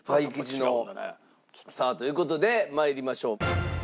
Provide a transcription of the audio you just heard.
さあという事で参りましょう。